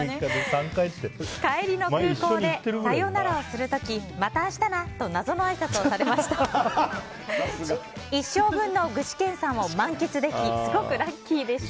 帰りの空港でさようならをする時また明日な！と謎のあいさつをされました。